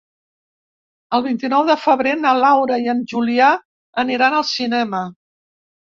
El vint-i-nou de febrer na Laura i en Julià aniran al cinema.